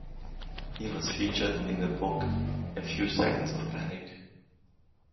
He was featured in the book "A Few Seconds of Panic".